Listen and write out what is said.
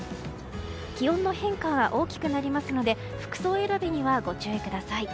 気温の変化が大きくなりますので服装選びにはご注意ください。